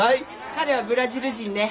彼はブラジル人ね。